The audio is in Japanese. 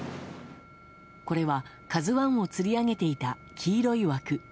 これは、「ＫＡＺＵ１」をつり上げていた黄色い枠。